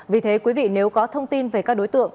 vì thế quý vị nếu có thông tin về các đối tượng